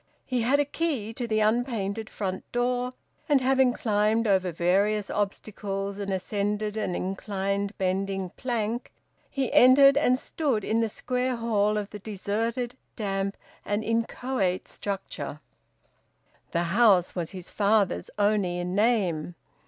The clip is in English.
He had a key to the unpainted front door, and having climbed over various obstacles and ascended an inclined bending plank, he entered and stood in the square hall of the deserted, damp, and inchoate structure. The house was his father's only in name.